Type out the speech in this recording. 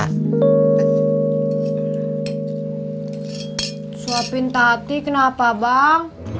suapin tati kenapa bang